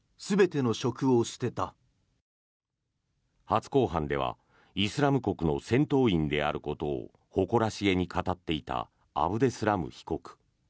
初公判ではイスラム国の戦闘員であることを誇らしげに語っていたアブデスラム被告。